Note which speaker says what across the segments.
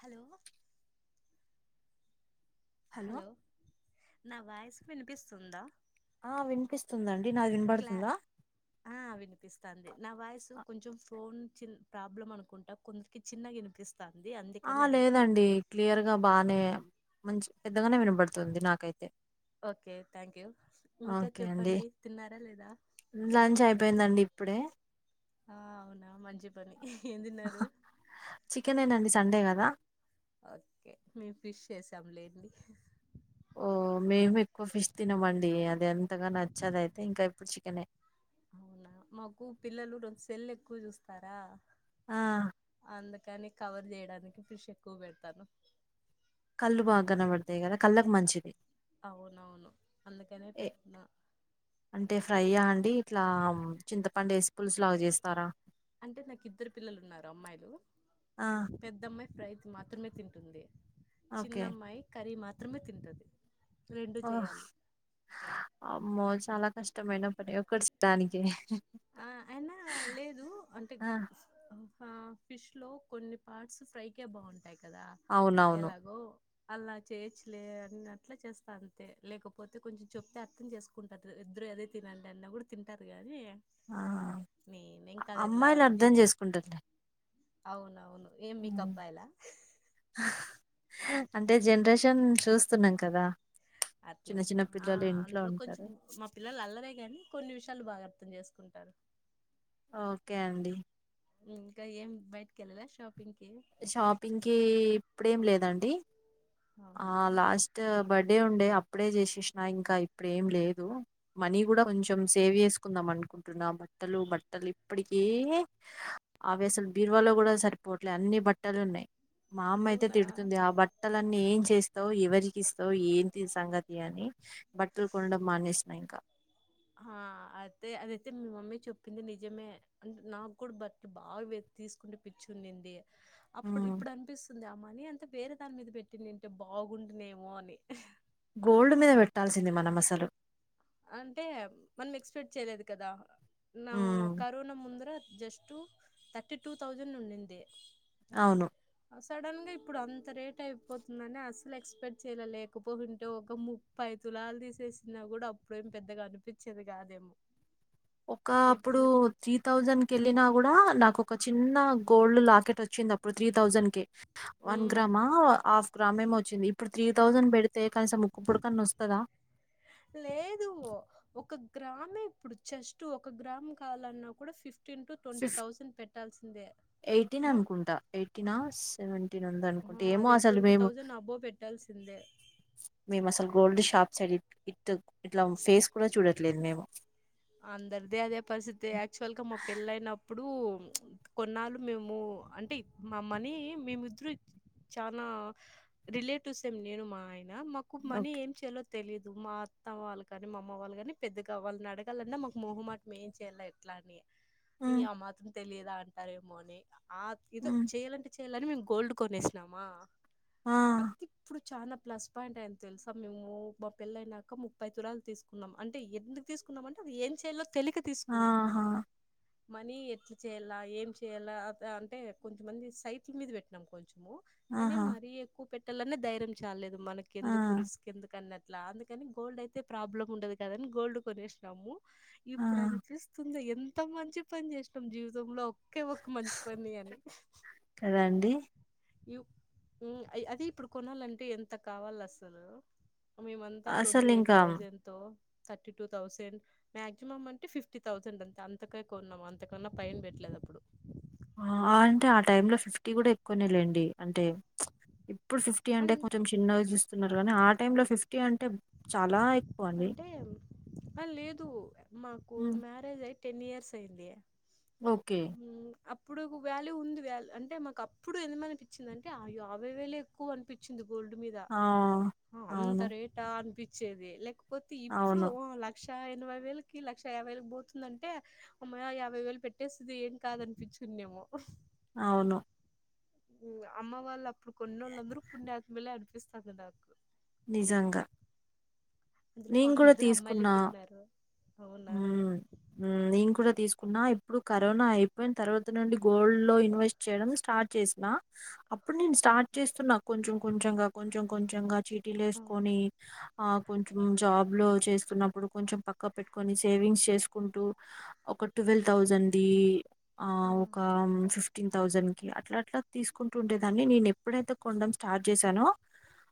Speaker 1: Hello
Speaker 2: hello
Speaker 1: నా voice వినిపిస్తుందా
Speaker 2: ఆ వినిపిస్తుందండి నాది
Speaker 1: క్లా
Speaker 2: వినపడుతుందా
Speaker 1: ఆ వినిపిస్తాంది నా వాయిసు కొంచెం ఫోన్ ప్రాబ్లం అనుకుంటా కొంచం చిన్నగానిపిస్తు
Speaker 2: ఆ లేదండి క్లియర్ గా బాగానే మంచి పెద్దగానే వినబడుతుంది నాకైతే
Speaker 1: ఓకే థ్యాంక్ యూ ఇంకా
Speaker 2: ఓకే అండి
Speaker 1: చెప్పండి తిన్నారా లేదా
Speaker 2: లంచ్ అయిపోయిందండి ఇప్పుడే
Speaker 1: ఆ అవునా మంచి పని ఏం తిన్నారు
Speaker 2: చికెన్ ఏనాండి సండే కదా
Speaker 1: ఓకే మేము ఫిష్ చేసాం లేండి
Speaker 2: ఓ మేము ఎక్కువ ఫిష్ తినమండి అది అంతగా నచ్చద అయితే ఇంకా ఇప్పుడు చికెన్
Speaker 1: అవునా మాకు పిల్లలు రంత సెల్లు ఎక్కువ చూస్తార
Speaker 2: ఆ
Speaker 1: కానీ కవర్ చేయడానికి ఫిష్ ఎక్కువ పెడతాను
Speaker 2: కళ్లు బాగ కనపడతాయి కదా కళ్ళకి మంచిది
Speaker 1: అవునవును అందుకనే
Speaker 2: ఏ
Speaker 1: పెట్టిన
Speaker 2: ఇట్ల చింతపండు వేసి పులుసు లాగ చేస్తారా
Speaker 1: అంటే నాకు ఇద్దరు పిల్లలు ఉన్నారు అమ్మాయిలు
Speaker 2: ఆ
Speaker 1: పెద్దమ్మాయి ఫ్రైస్ మాత్రమే తింటుంది
Speaker 2: ఓకే
Speaker 1: చిన్నమ్మాయి కర్రీ మాత్రమే తింటది రెండు
Speaker 2: ఆ
Speaker 1: చేయాలి
Speaker 2: అమ్మో చాల కష్టమే [unintelligible]
Speaker 1: ఆ అయినా లేదు అంటే
Speaker 2: ఆ
Speaker 1: ఆ ఫిష్ లో కొన్ని పార్ట్స్ ఫ్రై కే బాగుంటాయి్ కదా
Speaker 2: అవునవును
Speaker 1: ఎలాగో అలా చేయొచ్చులే అన్న అట్ల చేస్తా అంతే లేకపోతే కొంచెం చెప్తే అర్థం చేసుకుంటారు ఇద్దరు అదే తినండి అన్న కూడ తింటారు గానీ
Speaker 2: ఆ అమ్మాయిలు అర్థం
Speaker 1: దీని
Speaker 2: చేసుకుంటర్లే
Speaker 1: అవునవును ఏం మీకు అబ్బాయిలా
Speaker 2: అంటే జనరేషన్ చూస్తున్నాం కదా చిన్న
Speaker 1: అట్లనే
Speaker 2: చిన్న
Speaker 1: ఆ
Speaker 2: పిల్లలు ఇంట్లో
Speaker 1: అందులో కొంచెం
Speaker 2: ఉంటారు
Speaker 1: మా పిల్లలు అల్లరే గాని కొన్ని విషయాలు బాగ అర్థం చేసుకుంటారు
Speaker 2: ఓకే అండి
Speaker 1: ఇంకా ఎం బయటికి వెళ్తే [unintelligible]
Speaker 2: షాపింగ్ కి ఇప్పుడేం లేదండి ఆ
Speaker 1: అవునా
Speaker 2: లాస్ట్ బర్డే ఉండే ఆ అప్పుడే చేసేసినా ఇంకా ఇప్పుడేం లేదు మనీ కూడ కొంచెం సేవ్ చేసుకుందాం అనుకుంటున్నా బ బట్టలు బట్టలు ఇప్పటికీ అవి అసలు బీరువాలో కూడ సరిపోవట్లేదు అన్ని బట్టలు ఉన్నాయి మా అమ్మ అయితే
Speaker 1: అవునా
Speaker 2: తిడుతుంది ఆ బట్టలన్నీ చేస్తావు ఎవరికి ఇస్తావు ఏంటి సంగతి అని బట్టలు కొనడం మానేసిన ఇంకా
Speaker 1: ఆ అయితే అదైతే మీ మమ్మీ చెప్పింది నిజమే అంటే నాకు కూడ [unintelligible] తీసుకుండే పిచ్చి వున్నింది అప్పుడు
Speaker 2: ఉమ్.
Speaker 1: ఇప్పుడు అనిపిస్తుంది అ కానీ అంత వేరే దాని మీద పెట్టింనింటే బాగుంనేమో అని
Speaker 2: గోల్డ్ మీద పెట్టాల్సింది మనము అసలు
Speaker 1: అంటే మనం ఎక్స్పెక్ట్ చేయలేదు కదా [unintelligible]
Speaker 2: ఉమ్,
Speaker 1: కరోనా ముందుర జస్ట్ థర్టీ టూ థౌజండ్ ఉండింది
Speaker 2: అవును
Speaker 1: సడన్ గా ఇప్పుడు అంత రేట్ అయిపోతుందని అసలు ఎక్స్పెక్ట్ చేయలే లేకపోతుంటే ఒక ముప్పై తులాలు తీసేసిన కూడ అప్పుడేం పెద్దగా అనిపిచేది కాదేమో
Speaker 2: ఒక అప్పుడు
Speaker 1: ఇప్పుడు
Speaker 2: త్రీ థౌజండ్ కి వెళ్ళిన కూడ నాకు ఒక చిన్న గోల్డ్ లాకెట్ వచ్చింది అప్పుడు త్రీ థౌసండ్ కి వన్
Speaker 1: ఉమ్
Speaker 2: గ్రామా హఫ్ గ్రామేమో వచ్చింది ఇప్పుడు త్రీ
Speaker 1: ఆ
Speaker 2: థౌజండ్ పెడితే కనీసం ముకుప్పుడుకన్నా వస్తదా
Speaker 1: లేదు ఒక గ్రామే ఇప్పుడు జస్ట్ ఒక గ్రామం కాలన్నా కూడా ఫిఫ్ fifteen to twenty
Speaker 2: fif
Speaker 1: thousand పెట్టాల్సిందే
Speaker 2: ఎయిటీన్
Speaker 1: ఆహా
Speaker 2: అనుకుంటా ఎయిటీన సెవె
Speaker 1: ఆ
Speaker 2: [unintelligible] ఏమో
Speaker 1: అదే
Speaker 2: అసలు
Speaker 1: ట్వంటీ
Speaker 2: మేము
Speaker 1: థౌజండ్ అబోవ్ పెట్టాల్సిందే
Speaker 2: మేము అసలు గోల్డ్ షా టార్చర్ చూపి ఇట్ ఇట్లా ఫేస్ కూడా చూడట్లేదు మేము
Speaker 1: అందరిదీ అదే పరిస్థితి యాక్చువల్ గా మా పెళ్లయినప్పుడు కొన్నాళ్ళు మేము అంటే మామనీ మేమిద్దరు చానా రిలేటివ్స్ ఏం లేరు మా ఆయ న మాకు మనీ
Speaker 2: ఓకే
Speaker 1: ఏం చేయాలో తెలిదు మా అత్తవాళ్లు కాని మా అమ్మ వాళ్ళు కాని పెద్దగా వాళ్ళని అడ గాలన్న మాకు మోహమాటం ఏం చేయాల ఎట్లా అని ఇంక
Speaker 2: ఉమ్,
Speaker 1: ఆ మాత్రం తెలిదా అంటారేమో అని ఆ ఏదో
Speaker 2: ఉమ్,
Speaker 1: చెయాలంటే చెయాలని మేము గోల్డ్ కొనేసినామా
Speaker 2: ఆ
Speaker 1: అది ఇప్పుడు చానా ప్లస్ పాయింట్ అయింది తెలుసా మేము మా పెళ్లేయినాక ముప్పై తులాలు తీసుకున్నాం అంటే ఎందుకు తీసు కున్నామంటే అది ఏం చేయాలో తెలిక తీసుకున్నాం
Speaker 2: ఆహా
Speaker 1: మనీ ఎట్లా చేయాలా ఏం చేయ్యాలా అది అంటే కొంతమంది సైట్ల మీద పెట్టినాం కొం చెం కానీ
Speaker 2: ఆహా
Speaker 1: మరీ ఎక్కువ పెట్టాలన్నా ధైర్యం చాల్లేదు మనకి
Speaker 2: ఆ
Speaker 1: ఎందుకు రిస్క్ ఎందుకన్నా ఇట్లా అందుకని గోల్డ్ అయితే ప్రాబ్లం ఉండదు కదాని గోల్డ్ కొనేసినాము
Speaker 2: ఆ
Speaker 1: ఇప్పుడు అనిపిస్తుంది ఎంత మంచి పని చేసినాం జీవితంలో ఒకే ఒక్క మంచిపని అని
Speaker 2: కదా అండి
Speaker 1: యు మ్ అదె ఇప్పుడు కొనాలంటే ఎంత కావాలసలు మేమంతా ట్వంటీ
Speaker 2: అసలు
Speaker 1: ఎయిట్
Speaker 2: ఇంకా
Speaker 1: థౌసండ్ తో థర్టీ టూ థౌసండ్ మాక్సిమం అంటే ఫిఫ్టీ థౌజండ్ అంతే అంతకే కొన్నాం అంతకన్నా పైన పెట్టలేదు ఎప్పుడు
Speaker 2: ఆ అంటే ఆ టైమ్ లో ఫిఫ్టీ కూడా ఎక్కువనే లేండి అంటే ఇప్పుడు ఫిఫ్టీ అంటే
Speaker 1: అన్
Speaker 2: కొంచెం చిన్నగా చూస్తున్నారు గాని ఆ టైమ్ లో ఫిఫ్టీ అం
Speaker 1: అంటే అ లేదు మాకు
Speaker 2: ఉమ్,
Speaker 1: మ్యారేజ్ అయి టెన్ ఇయర్స్ అయింది
Speaker 2: ఓకే
Speaker 1: ఇప్పుడు వ్యాల్యూ ఉంది వ్య అంటే మాకు అప్పుడు ఎందుమనిపిచింది అంటే ఆయాభై వేలే ఎక్కువ అనిపిచింది గోల్డ్ మీద
Speaker 2: ఆ
Speaker 1: అంత
Speaker 2: అవును
Speaker 1: రేటా అనిపిచ్చేది లేకపోతే ఇప్పుడు
Speaker 2: అవును
Speaker 1: ఆ లక్ష క్ష ఎనభై వేలకి లక్ష యాభై వేలకి బోతుందంటే అంటే అమ్మయ్య యాభై వేలు పెట్టేస్తుది ఏం కాదనిపిచ్చును నేమో
Speaker 2: అవును
Speaker 1: అమ్మ వాళ్ళు అప్పుడు కొన్నోళ్లు అందరూ పుణ్యాత్మేలే అనిపిస్తాది నాకు
Speaker 2: నిజంగా
Speaker 1: అందులో
Speaker 2: నేను
Speaker 1: మాకు
Speaker 2: కూడా
Speaker 1: ఇద్దరు అమ్మాయిలే
Speaker 2: తీసుకున్నా
Speaker 1: పుట్టిన్నారు
Speaker 2: హ్మ్ హ్మ్ నేను కూడా తీసు కున్నా ఇప్పుడు కరోనా అయిపోయిన తర్వాత నుండి గోల్డ్‌లో ఇన్వెస్ట్ చేయడం స్టార్ట్ చేసిన అప్ ప్పుడు నేను స్టార్ట్
Speaker 1: ఓక్
Speaker 2: చేస్తున్నా కొంచెం కొంచంగా కొంచెం కొంచెంగా చీటీలు
Speaker 1: ఆ!
Speaker 2: ఏసుకొని ఆ కొంచెం జాబ్‌లో చేస్తున్నప్పుడు కొంచెం పక్క పెట్టుకొని సేవింగ్స్ చేసుకుంటూ ఒక టువల్ థౌసండ్‌ది ఆ ఒక ఫిఫ్ ఫ్టీన్ థౌసండ్ కి అట్లా అట్లా తీసుకుంటు ఉండేదాన్ని నేను ఎప్పుడైతే కొనడం స్టార్ట్ చేసానో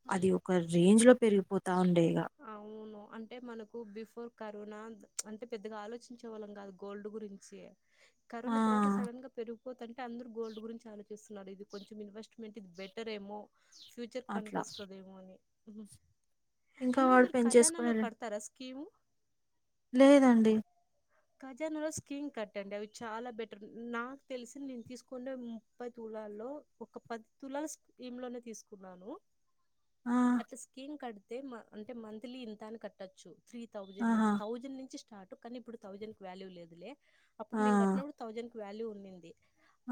Speaker 1: ఆ!
Speaker 2: అది ఒక రేంజ్ లో పెరిగిపోతా ఉండే ఇగ.
Speaker 1: అవును అంటే మనకు బిఫోర్ కరోనా అంత్ అంటే పెద్దగా ఆలోచించే వాళ్ళం కాదు గోల్డ్ గురించి కరోనా తర్వాత
Speaker 2: ఆ!
Speaker 1: సడన్‌గా పెరుగు పోతాంటే అందరూ గోల్డ్ గురించి ఆలోచిస్తున్నారు ఇది కొంచెం ఇన్వెస్ట్మెంట్ ఇది బెటర్ ఏమో ఫ్యూచర్కీ
Speaker 2: అట్లా.
Speaker 1: పనికొస్తదేమో అని
Speaker 2: ఇంకా
Speaker 1: అందులో
Speaker 2: వాడు
Speaker 1: మీరు ఖజానాలో
Speaker 2: పెంచేసుకొనేన
Speaker 1: కడతారా స్కీము
Speaker 2: లేదండి
Speaker 1: ఖజానాలో స్కీం కట్టండి అవి చాలా బెటర్ నాకు తెలిసి నేను తీసుకుండే ముప్పై తులాల్లో ఒక పది తులాస్ స్కీం లోనే తీసుకున్నాను
Speaker 2: ఆ
Speaker 1: అట్లా స్కీమ్ కడితే మ అంటే మంత్లీ ఇంత అని కట్టొచ్చు త్రీ థౌజండ్
Speaker 2: ఆహా!
Speaker 1: నుంచి థౌజండ్ నుంచి స్టార్ట్ కానీ ఇప్పుడు థౌజండ్‌కి వాల్యూ లేదులే
Speaker 2: ఆ!
Speaker 1: అప్పుడు మేము కట్టినప్పుడు థౌజండ్‌కి వాల్యూ ఉన్నింది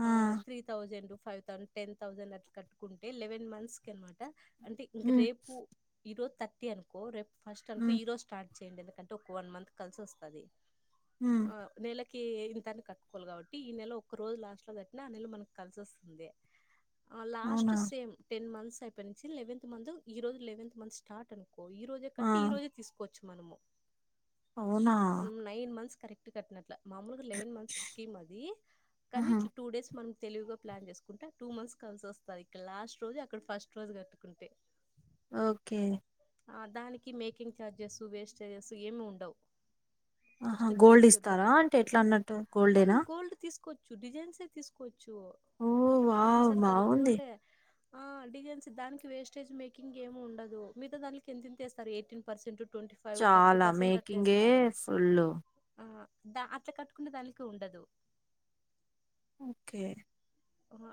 Speaker 1: ఆ three thousand five thousand ten thousand అట్లా కట్టుకుంటే లేవెన్ మంత్‌కి అనమాట అంటే ఇంక
Speaker 2: హ్మ్.
Speaker 1: రేపు ఈరోజు థర్టీ అనుకో రేపు ఫస్ట్ అనుకో
Speaker 2: హ్మ్.
Speaker 1: ఈరోజ్ స్టార్ట్ చేయండి ఎందుకంటే ఒక వన్ మంత్ కలిసి వస్తాది
Speaker 2: హ్మ్.
Speaker 1: ఆ నెల ఇంతాన్ని కట్టుకోవాలి కాబట్టి ఈ నెల ఒక్క రోజు లాస్ట్ లో కట్టిన ఆ నెల మనకు కలిసి వస్తుంది ఆ లాస్ట్
Speaker 2: అవునా!
Speaker 1: సేమ్ టెన్ మంత్స్ అయిపోయి నుంచి లెవెంత్ మంత్ ఈ రోజు లెవెంత్ మంత్ స్టార్ట్ అను ఈ రోజే
Speaker 2: ఆ!
Speaker 1: కట్టి ఈ రోజే తీసుకోవచ్చు మనము
Speaker 2: అవునా!
Speaker 1: మన నైన్ మంత్స్ కరెక్ట్ కట్టిన అట్ల మామూలుగా లెవెన్ మంత్స్ స్కీమ్ అది కానీ
Speaker 2: ఆహా!
Speaker 1: ఇట్లా టూ డేస్ మనం తెలివిగా ప్లాన్ చేసుకుంటే టూ మంత్స్ కలిసి వస్తంది ఇక్కడ లాస్ట్ రోజు అక్కడ ఫస్ట్ రోజు కట్టుకుంటే
Speaker 2: ఓకే
Speaker 1: దానికి మేకింగ్ ఛార్జెస్ వేస్టేజెస్ ఏమి ఉండవు
Speaker 2: ఆహా
Speaker 1: జస్ట్
Speaker 2: గోల్డ్
Speaker 1: జిఎస్టి ఉంటే
Speaker 2: ఇస్తారా అంటే ఎట్లా అన్నట్టు గోల్డేనా
Speaker 1: డిజైన్స్ ఏ తీసుకోవచ్చు
Speaker 2: ఓహ్!
Speaker 1: Coins
Speaker 2: wow!
Speaker 1: అని కాదు
Speaker 2: బావుంది.
Speaker 1: గోల్డ్ ఆ డిజైన్స్ దానికి వేస్టేజ్ మేకింగ్ ఏమి ఉండదు మిగతా దానికి ఎంతెంతస్తారు eighteen percent twenty five thirty
Speaker 2: చాలా
Speaker 1: పర్సెంట్ అట్లా
Speaker 2: మేకింగే
Speaker 1: వేస్తారు
Speaker 2: ఫుల్
Speaker 1: ఆ అట్లా కట్కుంట దానికి ఉండదు
Speaker 2: ఓకే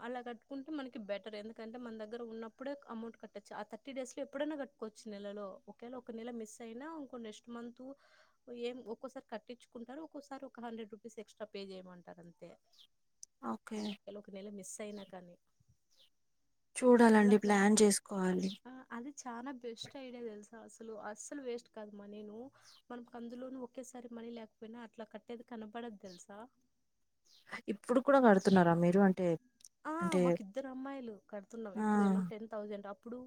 Speaker 1: అలా కట్టుకుంటే మనకి బెటర్ ఎందుకంటే మన దగ్గర ఉన్నప్పుడే అమౌంట్ కట్టచ్చు ఆ థర్టీ డేస్ లో ఎప్పుడైనా ఎప్పుడన్నా కట్టుకోవచ్చు నెలలో ఒకవేళ ఒక నెల మిస్సయిన నెక్స్ట్ మంత్ ఒక్కోసారి కట్టకపో కట్టిపిచ్చుకుంటారు ఒకోసారి ఒక హండ్రెడ్ రూపీస్ ఎక్స్ట్రా పే చేయమంటారు అంతే
Speaker 2: ఓకే
Speaker 1: ఇలా ఒక నెల మిస్ అయినా కానీ
Speaker 2: చూడాలండి ప్లాన్ చేసుకోవాలి
Speaker 1: ఆ అది చాలా బెస్ట్ ఐడియా తెలుసా అసలు, అసలు వేస్ట్ కాదు మనీ ను మనకు అందులోను ఒకేసారి మనీ లేకపోయినా అట్లా కట్టేది కనపడదు తెలుసా
Speaker 2: ఇప్పుడు కూడా కడుతున్నారా మీరు అంటే
Speaker 1: ఆ
Speaker 2: అంటే
Speaker 1: మాకు ఇద్దరు అమ్మాయిలు కడుతున్నాం
Speaker 2: ఆ!
Speaker 1: ఇప్పుడు ఏమన్నా టెన్ థౌజండ్ ఇప్పుడు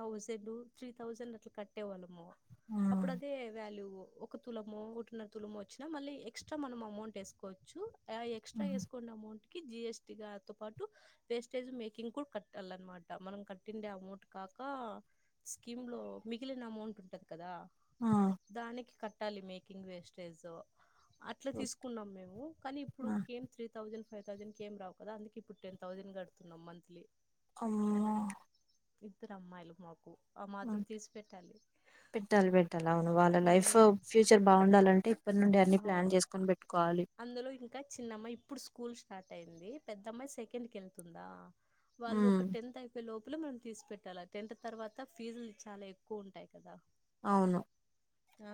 Speaker 1: థౌజండ్ త్రీ థౌసండ్ అట్లా కట్టేవాళ్ళము
Speaker 2: ఆ!
Speaker 1: అప్పుడు అదే వాల్యూ ఒక తులమో ఒకటిన్నర తులమో వచ్చినా మళ్ళీ ఎక్స్ట్రా మనం అమౌంట్ వేసుకోవచ్చు
Speaker 2: ఆ!
Speaker 1: ఎక్స్ట్రా వేసుకోన్న అమౌంట్ కి జిఎస్టి తో పాటు వేస్టేజ్ మేకింగ్ కూడా కట్టాలనమాట మనం కట్టిండే అమౌంట్ కాక స్కీమ్ లో మిగిలిన అమౌంట్ ఉంటది కదా
Speaker 2: ఆ!
Speaker 1: దానికి కట్టాలి మేకింగ్ వేస్టేజో అట్లా
Speaker 2: ఓహ్!
Speaker 1: తీసుకున్నాం మేము కానీ ఇప్పుడు
Speaker 2: ఆ!
Speaker 1: ఏం త్రీ థౌజండ్ ఫైవ్ థౌజండ్ క ఏం రావు కదా అందుకే ఇప్పు ఇప్పుడు టెన్ థౌసండ్ కడుతున్నాం మంత్లీ
Speaker 2: అమ్మో
Speaker 1: ఇద్దరు అమ్మాయిలు మాకు ఆ మాత్రం తీసి పెట్టాలి
Speaker 2: పెట్టాలి పెట్టాలి అవును వాళ్ళ లైఫ్ ఫ్యూచర్ బాగుండాలంటే ఇప్పటి నుండి అన్నన్ని ప్లాన్
Speaker 1: అవును
Speaker 2: చేసుకొని పెట్టుకోవాలి
Speaker 1: అందులో ఇంకా చిన్నమ్మాయి ఇప్పుడు స్కూల్ స్టార్ట్ అయింది పెద్దమ్మాయి సెకండ్ కి వెళ్తుందా వాళ్లు
Speaker 2: ఉమ్
Speaker 1: ఒక టెన్త్ అయిపోయేలోపు ఇప్పులు మనం తీసి పెట్టాలి టెన్త్ తర్వాత ఫీజులు చాలా ఎక్కువ ఉంటాయి
Speaker 2: అవును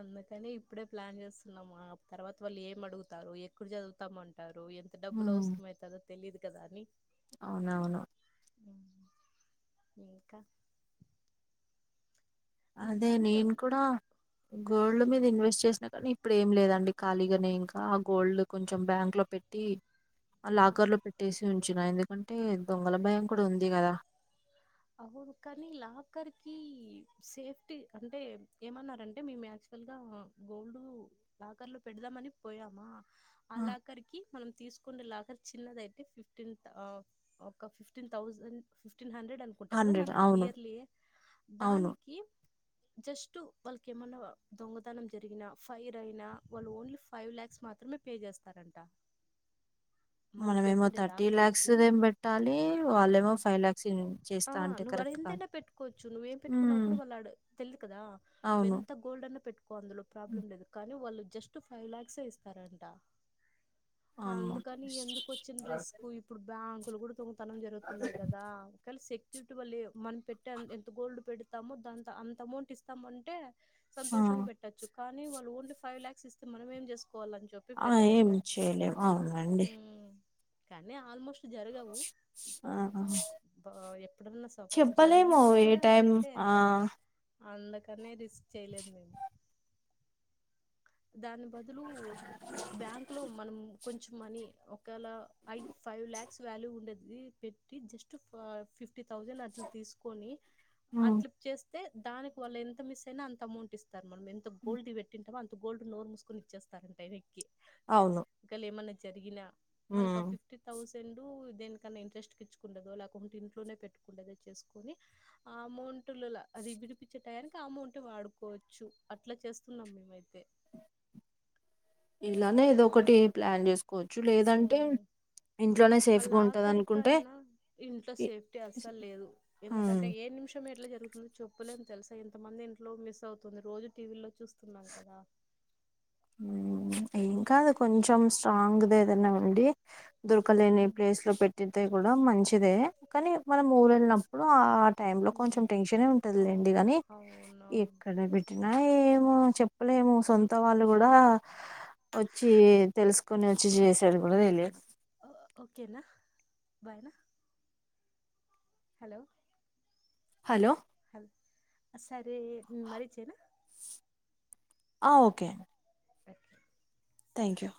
Speaker 1: అందుకని ఇప్పుడే ప్లాన్ చేస్తున్నాము ఆ తర్వాత వాళ్ళు ఏం అడుగుతారు ఎక్కడ చదువుతామ అంట రు ఎంత డబ్బులు
Speaker 2: ఉమ్
Speaker 1: అవసరం అయితదో తెలియదు కదా అని
Speaker 2: అవునవును
Speaker 1: ఇంకా
Speaker 2: అదే
Speaker 1: కానీ
Speaker 2: నేను కూడా గోల్డ్ మీద
Speaker 1: అవును
Speaker 2: ఇన్వెస్ట్ చేసినా కానీ ఇప్పుడు ఏం లేదండి ఖాళీగానే ఇంకా గోల్డ్ కొంచెం బ్యాంక్ లో పెట్టి ఆ లాకర్ లో పెట్టేసి ఉంచి న ఎందుకంటే దొంగల భయం కూడా ఉంది కదా
Speaker 1: అవును కానీ లాకర్ కి సేఫ్టీ అంటే ఏమన్నారంటే మీ మ్యాచ్ అసలుగా గోల్డ్ లాకర్ లో పెడదామని పోయామా అ లాకరికి మనం తీసుకు లాగా చిన్నదియితే ఫిఫ్టీన్ ఒక ఫిఫ్టీన్ తౌసండ్ ఫిఫ్టీన్ హండ్రెడ్ టా కదా
Speaker 2: హండ్రెడ్
Speaker 1: మంత్
Speaker 2: అవును
Speaker 1: ఇయర్లీ
Speaker 2: అవును
Speaker 1: దానికి జస్ట్ వాళ్ళకి ఏమన్నా దొంగతనం జరిగినా ఫైర్ అయినా వాళ్ళు ఓన్లీ ఫైవ్ లాక్స్ మాత్రం మాత్రమే పే చేస్తారంట
Speaker 2: [inaudible]
Speaker 1: మనం
Speaker 2: మనమ ఏమో
Speaker 1: పెట్టిన
Speaker 2: థర్టీ ల్యాక్స్
Speaker 1: లాకరికి
Speaker 2: ఏమి పెట్టాలి వాళ్ళ ఏమో ఫైవ్ ల్యాక్స్
Speaker 1: ఆ
Speaker 2: చేస్తా అంటే
Speaker 1: నువ్ వాలు
Speaker 2: కరెక్ట్ కాదు
Speaker 1: ఎంతైనా పెట్టుకోవచ్చు నువ్వేం పెట్టుకున్నా కూడా
Speaker 2: ఉమ్
Speaker 1: వాళ్ళు తెలిదు కదా నువ్వు
Speaker 2: అవును
Speaker 1: ఎంత గోల్డన పెట్టుకో అందులో ప్రాబ్లం లేదు కానీ వాళ్ళు జస్ట్ ఫైవ్ లాక్స్ ఇస్తారంట అందుకని ఎందుకు వచ్చిన
Speaker 2: అమ్మ
Speaker 1: రిస్క్ ఇప్పుడు బ్యాంకులు కూడా దొంగతనం జరుగుతున్నాయి కదా సెక్యూరిటీ వాళ్ళ మన పెటి ఎంత గోల్డ్ పెడతామో దాంత అంత అమౌంట్ ఇస్తాము అంటే
Speaker 2: ఆ
Speaker 1: సంతోషంగా పెట్టచ్చు కానీ వాళ్ళు ఓన్లీ ఫైవ్ ల్యాక్స్ ఇస్తే మనం ఏం చేస్తాం
Speaker 2: ఆ ఏమి చేయలేము అవునండి
Speaker 1: ఉమ్. కానీ ఆల్మోస్ట్
Speaker 2: ఆహ
Speaker 1: బ ఎప్పుడన్నా సఫర్ జరిగినా
Speaker 2: ఏ
Speaker 1: కూడా
Speaker 2: టైం
Speaker 1: అంతే
Speaker 2: ఆ
Speaker 1: అందుకనే రీ స్క్ చేయలేదు నేను దాని బదులు బ్యాంక్ లో మనం కొంచెం మనీ ఒకవేళ ఐ ఫైవ్ ల్యాక్స్ వాల్యూ ఉండది పెట్టి జస్ట్ ఫిఫ్ టి థౌసండ్ అట్లా తీసుకొని
Speaker 2: ఉమ్
Speaker 1: అట్లా చేస్తే దానికి వాలు ఎంత మిస్ అయినా అంత అమౌంట్ ఇస్త మనం ఎంత గోల్డ్ పెట్టింటమో అంత గోల్డ్ నోరుముసుకునిచ్చేస్తారంట
Speaker 2: అవును
Speaker 1: ఒకవేళ ఏమన్నా జరిగినా మనకు ఆ
Speaker 2: ఉమ్
Speaker 1: ఫిఫ్టీ థౌసండ్ డు దేనికన్నా ఇంట్రెస్ట్ కు ఇచుకుంటాదొ లేకుంటే ఇంట్లోనే పెట్టుకుంటాదొ చేసుకొని ఆ అమౌంట్ వంటలలా అది విడిపించే టయానికి ఆ అమౌంటే వాడుకోవచ్చు అట్లా చేస్తున్నాం మేమైతే
Speaker 2: ఇలానే ఏదో ఒకటి ప్లాన్ చేసుకోవచ్చు లేదంటే ఇంట్లోనే
Speaker 1: అ
Speaker 2: సేఫ్గా ఉంటది
Speaker 1: లాకర్
Speaker 2: అనుకుంటే
Speaker 1: కన్నా ఇంట్లో
Speaker 2: ఇ
Speaker 1: సేఫ్టీ అసలు లేదు
Speaker 2: ఉమ్
Speaker 1: ఎందుకంటే ఏ నిమిషం ఎట్లా చెప్పులేము తెలుసా ఇంత మంది ఇంట్లో మిస్ అవుతుంది రోజు టీవీ లో చూస్తున్నాం కదా
Speaker 2: ఏం కాదు కొంచెం స్ట్రాంగ్ ది ఏదన్న ఉండి దొరకలేని
Speaker 1: ఉమ్.
Speaker 2: ప్లేస్ లో పెట్టితే కూడా మంచిదే కానీ మనం ఊరు వెళ్ళినప్పుడు ఆ టైమ్ లో కొంచెం టెన్షన్ ఉంటంది
Speaker 1: అవు
Speaker 2: లెండి కానీ
Speaker 1: అవునవును
Speaker 2: ఎక్కడ పెట్టినా ఏమో చెప్పలేము సొంత వాళ్ళు కూడా వచ్చి తెలుసుకో న్ని వచ్చి చేసేది కూడా తెలిదు
Speaker 1: ఓకేనా బాయ్నా హలో
Speaker 2: హలో
Speaker 1: హల్ సరే మరి చెయనా
Speaker 2: ఆ ఓకే
Speaker 1: [unintelligible]
Speaker 2: థ్యాంక్ యూ